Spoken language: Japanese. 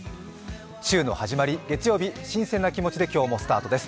週の始まり、月曜日、新鮮な気持ちで今日もスタートです。